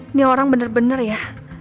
ini orang bener bener ya